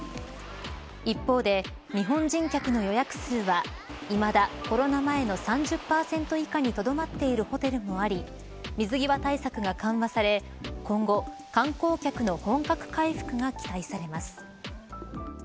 一方で日本人客の予約数はいまだコロナ前の３０％以下にとどまっているホテルもあり水際対策が緩和され今後、観光客の本格回復が期待されます。